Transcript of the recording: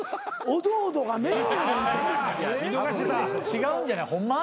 違うんじゃないホンマ？